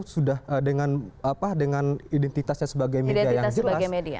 sudah dengan apa dengan identitasnya sebagai media yang jelas